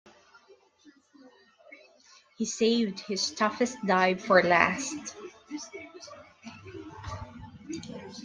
He saved his toughest dive for last.